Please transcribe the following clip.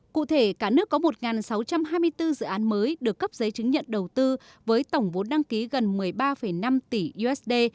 cụ thể cả nước có một sáu trăm hai mươi bốn dự án mới được cấp giấy chứng nhận đầu tư với tổng vốn đăng ký gần một mươi ba năm tỷ usd